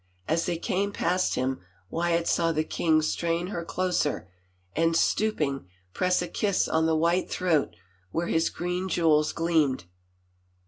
As they came past him Wyatt saw the king strain her closer and, stooping, press a kiss on the white throat where his green jewels gleamed.